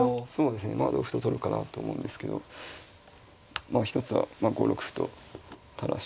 まあ同歩と取るかなと思うんですけどまあ一つは５六歩と垂らしておいてうん